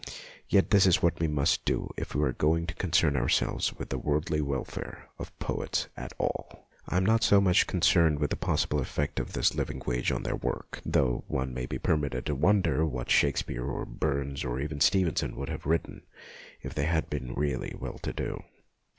Yet this is what we must do if we are going to concern ourselves with the worldly welfare of poets at all. I am not so much concerned with the possible effect of this living wage on their work, though one may be permitted to wonder PENSIONS FOR POETS 71 what Shakespeare or Burns or even Steven son would have written if they had been really well to do.